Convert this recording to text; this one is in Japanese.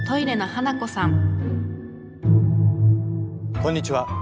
こんにちは。